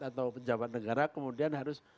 atau pejabat negara kemudian harus